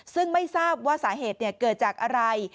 ซึ่งไม่ทราบว่าสาเหตุเกิดจากอะไร